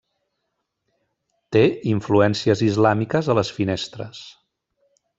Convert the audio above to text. Té influències islàmiques a les finestres.